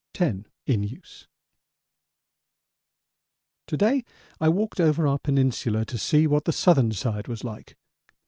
10 in use To day I walked over our peninsula to see what the southern side was like.